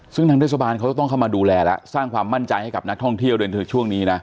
ซึ่งทางเทศบาลเขาจะต้องเข้ามาดูแลแล้วสร้างความมั่นใจให้กับนักท่องเที่ยวโดยช่วงนี้นะ